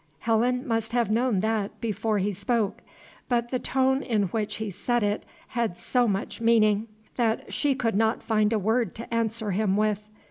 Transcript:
Helen must have known that before he spoke. But the tone in which he said it had so much meaning, that she could not find a word to answer him with.